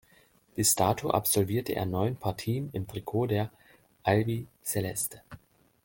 Bis dato absolvierte er neun Partien im Trikot der "Albiceleste".